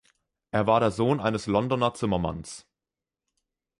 Er war der Sohn eines Londoner Zimmermanns.